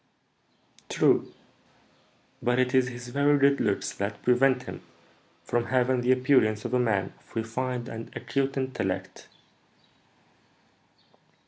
"True, but it is his very good looks that prevent him from having the appearance of a man of refined and acute intellect."